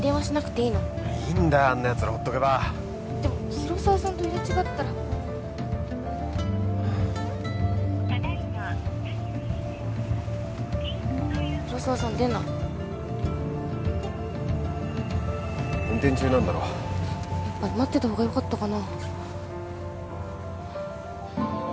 いいんだよあんなやつらほっとけばでも広沢さんと入れ違ったら広沢さん出ない運転中なんだろ待ってた方が良かったかな